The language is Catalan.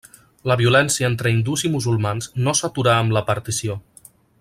La violència entre hindús i musulmans no s'aturà amb la partició.